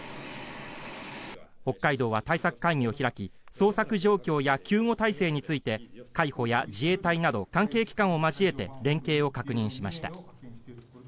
北海道は対策会議を開き捜索状況や救護体制について海保や自衛隊など関係機関を交えて連携を確認しました。